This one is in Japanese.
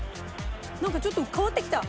なんかちょっと変わってきた。